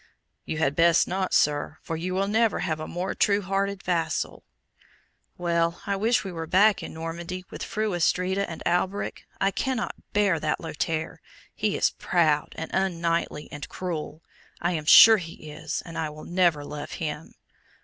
"You had best not, sir, for you will never have a more true hearted vassal." "Well, I wish we were back in Normandy, with Fru Astrida and Alberic. I cannot bear that Lothaire. He is proud, and unknightly, and cruel. I am sure he is, and I will never love him."